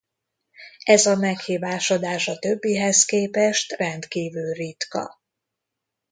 Ez a meghibásodás a többihez képest rendkívül ritka.